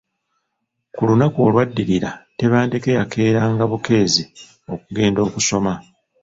Ku lunaku olw’addirira, Tebandeke yakeeranga bukeezi okugenda okusoma.